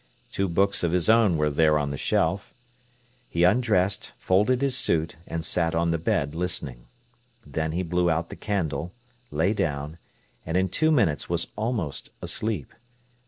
Two books of his own were there on the shelf. He undressed, folded his suit, and sat on the bed, listening. Then he blew out the candle, lay down, and in two minutes was almost asleep.